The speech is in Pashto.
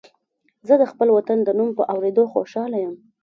زه د خپل وطن د نوم په اورېدو خوشاله یم